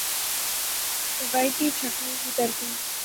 روایتی چھٹنی کی ترتیب